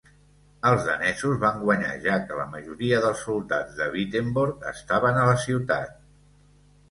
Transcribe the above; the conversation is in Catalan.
Els danesos van guanyar ja que la majoria dels soldats de Wittenborg estaven a la ciutat.